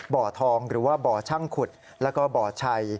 บ่อทองหรือว่าบ่อช่างขุดแล้วก็บ่อชัย